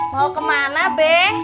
mau kemana be